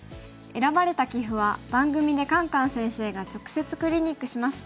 選ばれた棋譜は番組でカンカン先生が直接クリニックします。